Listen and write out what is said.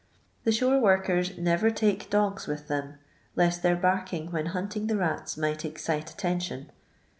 The shore workers never take dogs with them, lest their barking when hunting the rats might excite attention.